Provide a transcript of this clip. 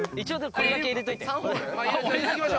これだけ入れておいて。